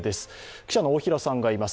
記者の大平さんがいます。